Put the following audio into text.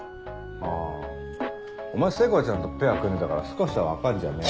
あぁお前聖子ちゃんとペア組んでたから少しは分かんじゃねえの？